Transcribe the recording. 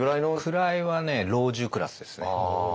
位はね老中クラスですね。